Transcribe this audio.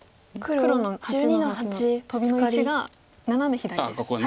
黒の８の八のトビの石がナナメ左です。